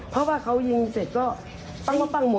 เพราะว่าเขายิงเสร็จก็ปั๊งหมดก็เหมือนจะ